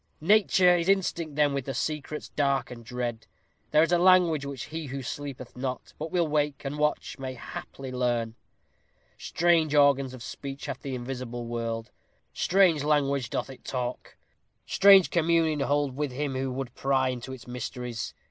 Nature is instinct then with secrets dark and dread. There is a language which he who sleepeth not, but will wake, and watch, may haply learn. Strange organs of speech hath the invisible world; strange language doth it talk; strange communion hold with him who would pry into its mysteries.